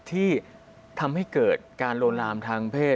ที่ทำให้เกิดการลวนลามทางเพศ